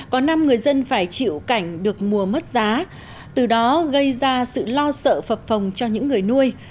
có năm người dân phải chịu cảnh được mùa mất giá từ đó gây ra sự lo sợ phật cho những người nuôi